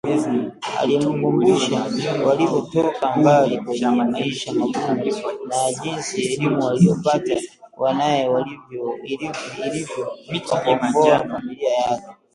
Alimkumbusha walivyotoka mbali kwenye maisha magumu na jinsi elimu waliyopata wanae ilivyowakomboa familia yake